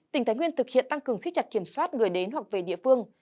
tỉnh thái nguyên thực hiện tăng cường xích chặt kiểm soát người đến hoặc về địa phương